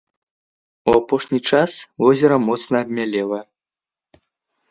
У апошні час возера моцна абмялела.